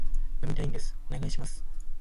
読みたいんです、お願いします